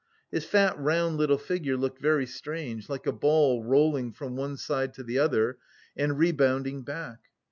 His fat round little figure looked very strange, like a ball rolling from one side to the other and rebounding back.